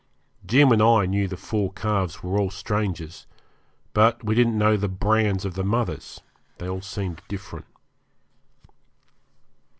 Jim and I knew the four calves were all strangers, but we didn't know the brands of the mothers; they all seemed different.